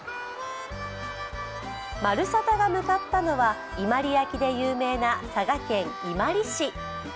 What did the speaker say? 「まるサタ」が向かったのは伊万里焼で有名な佐賀県伊万里市。